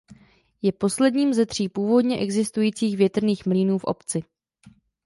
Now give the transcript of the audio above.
Je posledním ze tří původně existujících větrných mlýnů v obci.